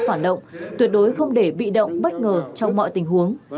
phản động tuyệt đối không để bị động bất ngờ trong mọi tình huống